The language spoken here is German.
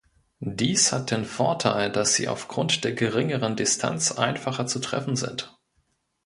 Dies hat den Vorteil, dass sie aufgrund der geringeren Distanz einfacher zu treffen sind.